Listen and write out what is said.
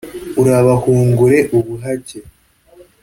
urabahungure ubuhake